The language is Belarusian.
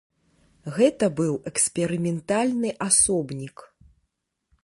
Гэта быў эксперыментальны асобнік.